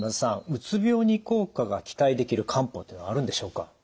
うつ病に効果が期待できる漢方というのはあるんでしょうか？